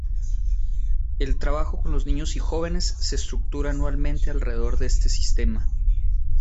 El trabajo con los niños y jóvenes se estructura anualmente alrededor de este sistema.